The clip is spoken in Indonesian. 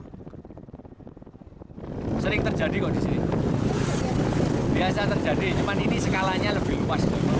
biasa terjadi cuman ini skalanya lebih luas